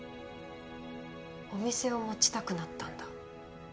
お店を持ちたくなったんだ？